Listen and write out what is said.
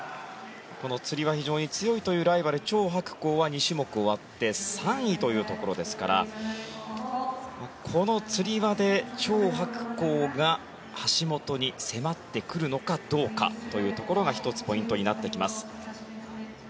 このつり輪、非常に強いというライバル、チョウ・ハクコウは２種目終わって３位というところですからこのつり輪でチョウ・ハクコウが橋本に迫ってくるのかどうかというところが１つポイントになってきます。